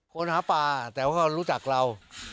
คนหาป่าแต่ว่าเขารู้จักเรา